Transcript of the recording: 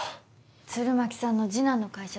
鶴巻さんの次男の会社